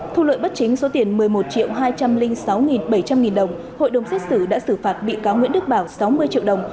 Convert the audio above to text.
thu lợi bất chính số tiền một mươi một triệu hai trăm linh sáu bảy trăm linh nghìn đồng hội đồng xét xử đã xử phạt bị cáo nguyễn đức bảo sáu mươi triệu đồng